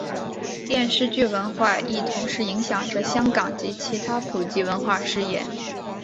电视剧文化亦同时影响着香港其他普及文化事业。